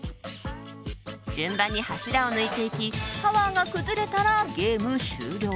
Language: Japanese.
順番に柱を抜いていきタワーが崩れたらゲーム終了。